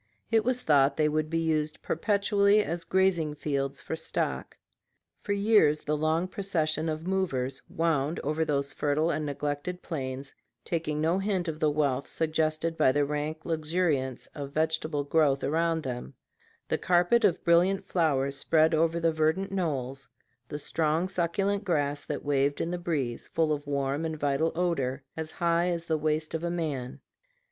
It was thought they would be used perpetually as grazing fields for stock. For years the long processions of "movers" wound, over those fertile and neglected plains, taking no hint of the wealth suggested by the rank luxuriance of vegetable growth around them, the carpet of brilliant flowers spread over the verdant knolls, the strong, succulent grass that waved in the breeze, full of warm and vital odor, as high as the waist of a man.